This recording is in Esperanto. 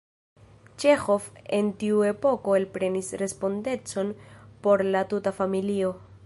Ĉeĥov en tiu epoko elprenis respondecon por la tuta familio.